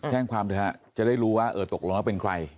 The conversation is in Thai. แจ้งความเถอะจะได้รู้ว่าเออตกลงแล้วเป็นใคร